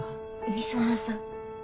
御園さん。